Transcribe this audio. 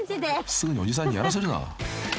［すぐにおじさんにやらせるな］